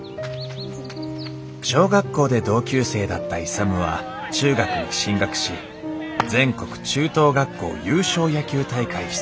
小学校で同級生だった勇は中学に進学し全国中等学校優勝野球大会出場を目指しています。